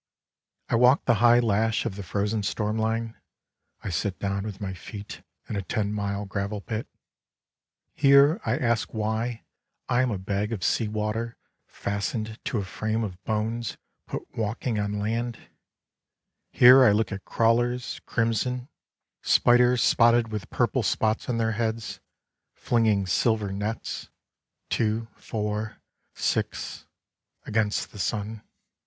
" I walk the high lash of the frozen storm line ; I sit down with my feet in a ten mile gravel pit. Here I ask why I am a bag of sea water fastened to a frame of bones put walking on land — here I look at crawlers, crimson, spiders spotted with 74 Slabs of the Sunburnt West purple spots on their heads, flinging silver nets, two, four, six, against the sun.